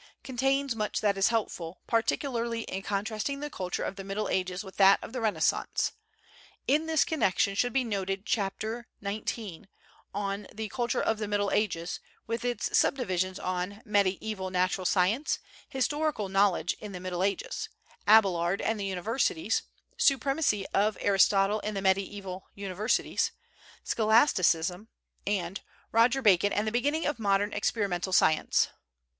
contains much that is helpful, particularly in contrasting the culture of the Middle Ages with that of the Renaissance. In this connection should be noted Chapter xix, on the "Culture of the Middle Ages," with its subdivisions on "Mediæval Natural Science," "Historical Knowledge in the Middle Ages," "Abelard and the Universities," "Supremacy of Aristotle in the Mediæval Universities," "Scholasticism," and "Roger Bacon and the Beginning of Modern Experimental Science."